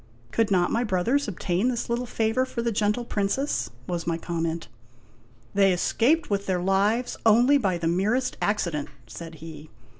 " Could not my brothers obtain this little favor for the gentle Princess ?" was my comment. " They escaped with their lives only by the merest accident," said he.